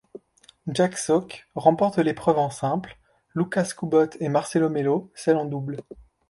Jack Sock remporte l'épreuve en simple, Łukasz Kubot et Marcelo Melo celle en double.